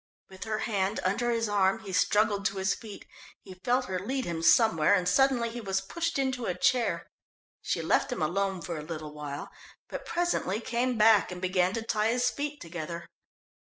With her hand under his arm he struggled to his feet. He felt her lead him somewhere, and suddenly he was pushed into a chair. She left him alone for a little while, but presently came back and began to tie his feet together.